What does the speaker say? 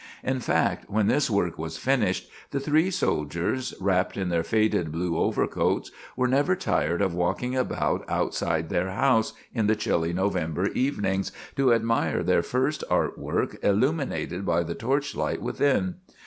In fact, when this work was finished, the three soldiers, wrapped in their faded blue overcoats, were never tired of walking about outside their house, in the chilly November evenings, to admire their first art work illuminated by the torch light within.